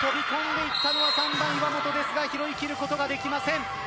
飛び込んでいったのは３番・岩本ですが拾いきることができません。